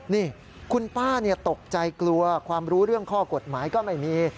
นี่คุณป้าตกใจกลัวความรู้เรื่องข้อกฎหมายก็ไม่มี